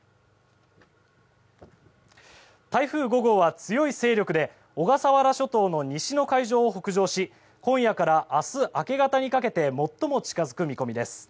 台風５号は強い勢力で小笠原諸島の西の海上を北上し今夜から明日明け方にかけて最も近づく見込みです。